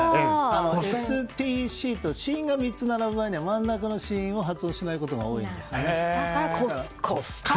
ＳＴＣと子音が３つ並ぶなら真ん中の子音を発音しないことが多いですね。